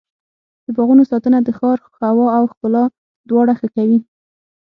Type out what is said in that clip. د باغونو ساتنه د ښار هوا او ښکلا دواړه ښه کوي.